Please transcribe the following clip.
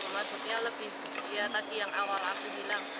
maksudnya lebih ya tadi yang awal aku bilang